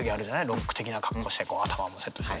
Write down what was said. ロック的な格好してこう頭もセットして。